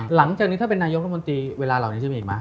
หลังจากนี้ถ้าเป็นนายกรัฐมนตรีเวลาเหล่านี้จะมีอีกไหม